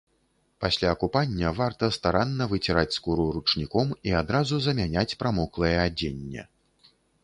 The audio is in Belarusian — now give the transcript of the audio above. Пасля купання варта старанна выціраць скуру ручніком і адразу замяняць прамоклае адзенне.